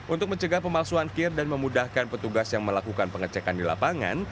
untuk mencegah pemalsuan kir dan memudahkan petugas yang melakukan pengecekan di lapangan